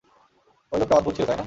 ওই লোকটা অদ্ভুত ছিল, তাই না?